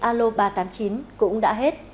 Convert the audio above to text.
alo ba trăm tám mươi chín cũng đã hết